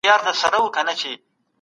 ژونديو عالمانو ته درناوی وکړئ.